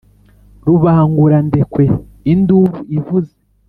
rubangurandekwe induru ivuze